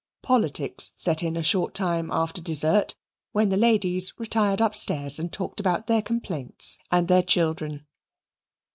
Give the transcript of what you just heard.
Politics set in a short time after dessert, when the ladies retired upstairs and talked about their complaints and their children.